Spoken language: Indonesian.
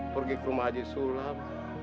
pergi ke rumah haji sulap